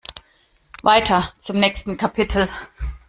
Weiter zum nächsten Kapitel.